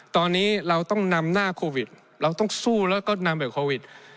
ตอนนี้เราต้องนำหน้าโควิดเราต้องสู้แล้วก็นำแบบโควิด